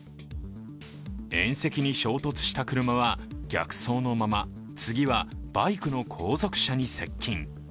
縁石に衝突した車は逆走のまま次はバイクの後続車に接近。